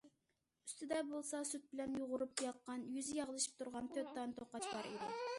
ئۈستىدە بولسا، سۈت بىلەن يۇغۇرۇپ ياققان، يۈزى ياغلىشىپ تۇرغان تۆت دانە توقاچ بار ئىدى.